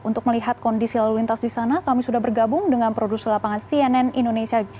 untuk melihat kondisi lalu lintas di sana kami sudah bergabung dengan produser lapangan cnn indonesia